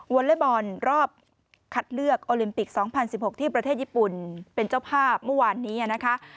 วอลเลอร์บอลระบอนรอบคัดเลือกโอลิมปิก๒๐๑๖ที่ประเทศญี่ปุ่นเป็นเจ้าภาพมันวันนี้นะคะ